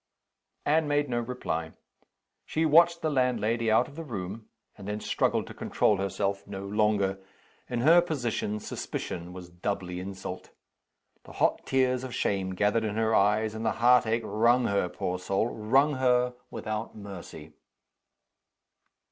Anne made no reply. She watched the landlady out of the room and then struggled to control herself no longer. In her position, suspicion was doubly insult. The hot tears of shame gathered in her eyes; and the heart ache wrung her, poor soul wrung her without mercy.